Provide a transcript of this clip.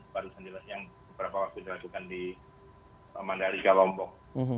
yang beberapa waktu lalu dilakukan di mandariga lombok